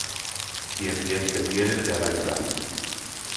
Quien bien te quiere te hará llorar